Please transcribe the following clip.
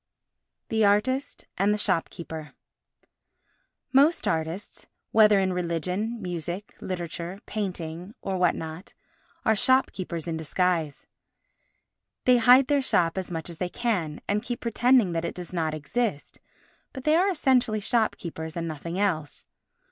The Artist and the Shopkeeper Most artists, whether in religion, music, literature, painting, or what not, are shopkeepers in disguise. They hide their shop as much as they can, and keep pretending that it does not exist, but they are essentially shopkeepers and nothing else.